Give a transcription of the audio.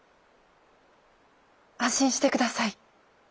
安心して下さい。